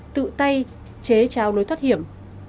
tự tay chế trao nối thoát hiểm